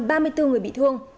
và gần ba mươi bốn người bị thương